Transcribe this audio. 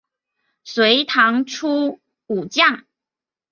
隋唐初武将。